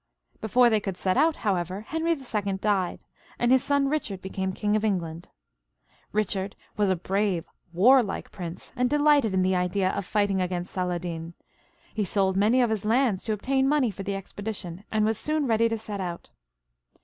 Before they could set out, however, Henry II. died, and his son Eichard became King of England. Bichard was a brave warlike prince, and delighted in the idea of fighting against Saladin; he sold many of his lands to obtain money for the expedition, and was soon ready to set out.